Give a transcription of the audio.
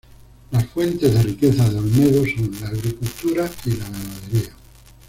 Las fuentes de riqueza de Olmedo son la agricultura y la ganadería.